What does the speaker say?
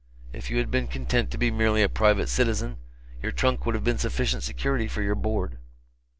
If you had been content to be merely a private citizen, your trunk would have been sufficient security for your board.